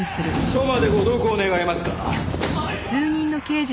署までご同行願えますか？